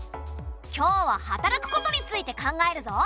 今日は働くことについて考えるぞ！